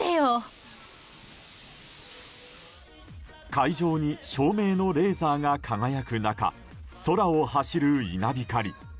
会場に照明のレーザーが輝く中空を走る稲光。